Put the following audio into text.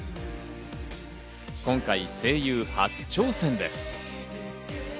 今回、声優初挑戦です。